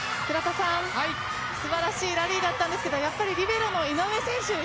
素晴らしいラリーだったんですがやっぱり、リベロの井上選手